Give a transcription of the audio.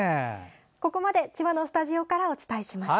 ここまで千葉のスタジオからお伝えしました。